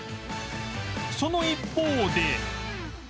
その一方で